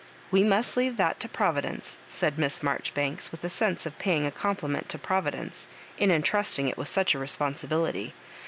"We must leave that to Providence," said Miss Marjoribanks, with a sense of paying a com pliment to Providence in intrusting it with such a responsibility.